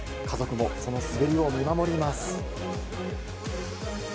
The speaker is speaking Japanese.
家族もその滑りを見守ります。